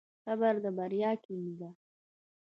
صبر د بریا کیلي ده.